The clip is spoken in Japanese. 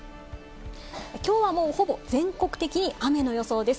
きょうは、もうほぼ全国的に雨の予想です。